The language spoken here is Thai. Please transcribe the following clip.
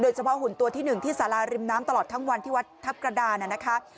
โดยเฉพาะหุ่นตัวที่หนึ่งที่สาราริมน้ำตลอดทั้งวันที่วัฒน์ทัพกระดาษ